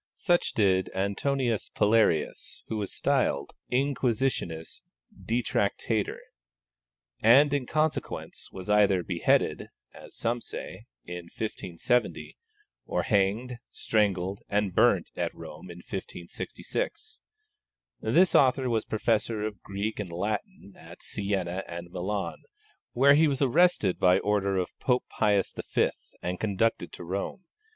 Such did Antonius Palearius, who was styled Inquisitionis Detractator, and in consequence was either beheaded (as some say) in 1570, or hanged, strangled, and burnt at Rome in 1566. This author was Professor of Greek and Latin at Sienna and Milan, where he was arrested by order of Pope Pius V. and conducted to Rome.